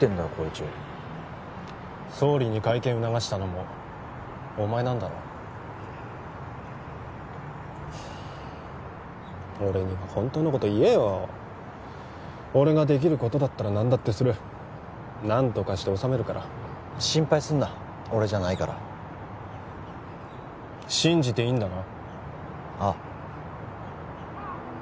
紘一総理に会見を促したのもお前なんだろう俺には本当のこと言えよ俺ができることだったら何だってする何とかして収めるから心配すんな俺じゃないから信じていいんだな？